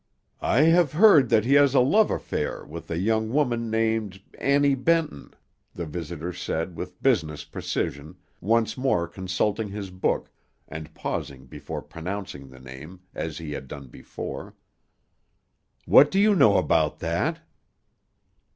"I have heard that he has a love affair with a young woman named Annie Benton," the visitor said with business precision, once more consulting his book, and pausing before pronouncing the name, as he had done before. "What do you know about that?"